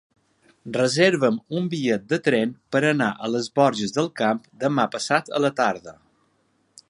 Reserva'm un bitllet de tren per anar a les Borges del Camp demà passat a la tarda.